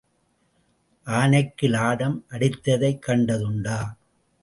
ஆனைக்கு லாடம் அடித்ததைக் கண்டதுண்டா?